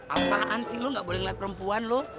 apaan sih lo gak boleh ngeliat perempuan lo